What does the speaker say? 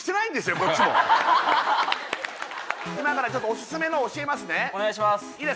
こっちも今からちょっとオススメのを教えますねお願いします